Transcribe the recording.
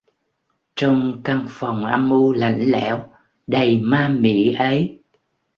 Trong căn phòng âm u lạnh lẽo đầy ma mị ấy